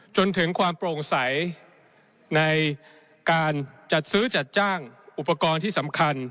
จนถึงความโปร่งใสในการจัดซื้อจัดจ้างอุปกรณ์ที่สำคัญ